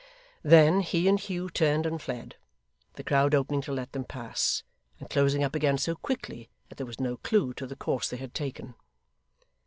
Then, he and Hugh turned and fled, the crowd opening to let them pass, and closing up again so quickly that there was no clue to the course they had taken.